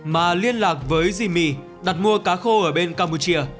mà liên lạc với jimi đặt mua cá khô ở bên campuchia